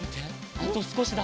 あとすこしだ。